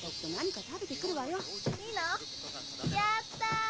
やった！